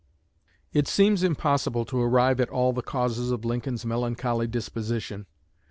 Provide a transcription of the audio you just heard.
It seems impossible to arrive at all the causes of Lincoln's melancholy disposition.